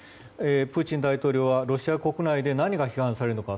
プーチン大統領はロシア国内で何が批判されるのか。